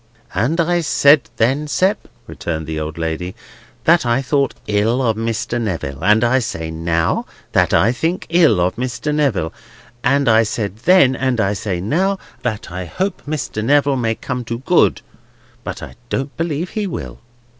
"And I said then, Sept," returned the old lady, "that I thought ill of Mr. Neville. And I say now, that I think ill of Mr. Neville. And I said then, and I say now, that I hope Mr. Neville may come to good, but I don't believe he will."